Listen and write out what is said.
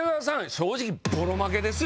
正直ボロ負けですよ